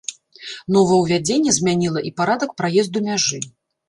Новаўвядзенне змяніла і парадак праезду мяжы.